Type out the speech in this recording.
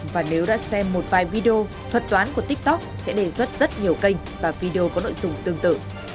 và nếu đã xem một vài video thuật toán của tiktok sẽ đề xuất rất nhiều kênh và video có nội dung tương tự